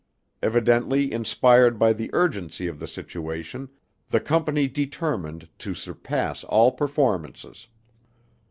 Evidently inspired by the urgency of the situation, the Company determined to surpass all performances.